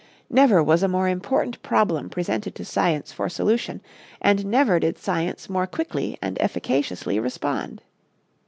Never was a more important problem presented to science for solution, and never did science more quickly and efficaciously respond.